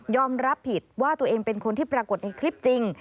รับผิดว่าตัวเองเป็นคนที่ปรากฏในคลิปจริง